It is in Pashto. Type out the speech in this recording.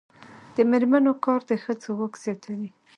د میرمنو کار د ښځو واک زیاتوي.